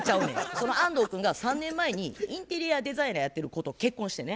その安藤君が３年前にインテリアデザイナーやってる子と結婚してね。